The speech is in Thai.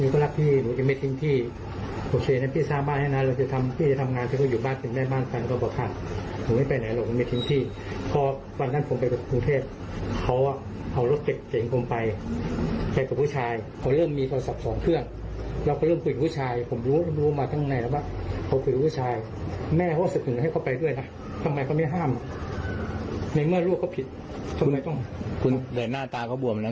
ก็เป็นคำกล่าวอ้างของผู้ต้องหานะคะ